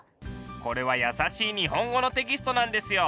これは「やさしい日本語」のテキストなんですよ。